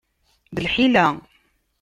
D lḥila!